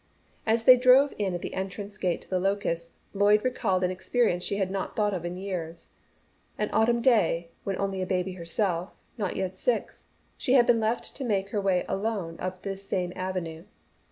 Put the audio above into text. As they drove in at the entrance gate to The Locusts, Lloyd recalled an experience she had not thought of in years; an autumn day, when only a baby herself, not yet six, she had been left to make her way alone up this same avenue.